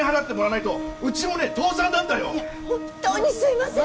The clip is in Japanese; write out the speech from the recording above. いや本当にすいません。